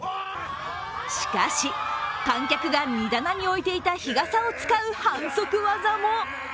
しかし、観客が荷棚に置いていた日傘を使う反則技も。